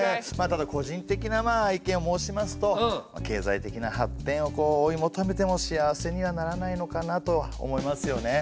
ただ個人的な意見を申しますと経済的な発展を追い求めても幸せにはならないのかなとは思いますよね。